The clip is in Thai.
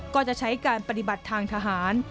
ก็จะใช้การปฏิบัติทางทหาร